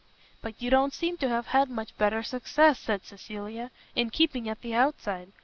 "But you don't seem to have had much better success," said Cecilia, "in keeping at the outside."